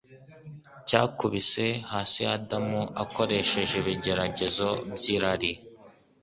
cyakubise hasi Adamu. Akoresheje ibigeragezo by’irari